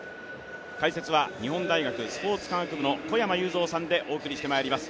解説は日本大学スポーツ科学部の小山裕三さんでお送りしてまいります。